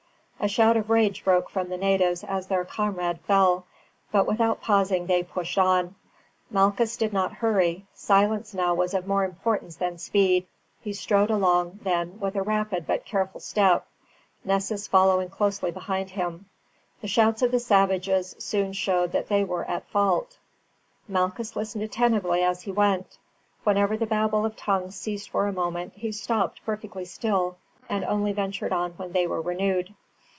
A shout of rage broke from the natives as their comrade fell; but without pausing they pushed on. Malchus did not hurry. Silence now was of more importance than speed. He strode along, then, with a rapid but careful step, Nessus following closely behind him. The shouts of the savages soon showed that they were at fault. Malchus listened attentively as he went. Whenever the babel of tongues ceased for a moment he stopped perfectly still, and only ventured on when they were renewed.